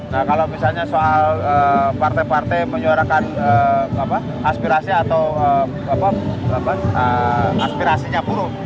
nah kalau misalnya soal partai partai menyuarakan aspirasi atau aspirasinya buruh